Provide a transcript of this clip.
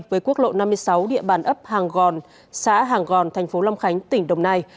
với quốc lộ năm mươi sáu địa bàn ấp hàng gòn xã hàng gòn thành phố long khánh tỉnh đồng nai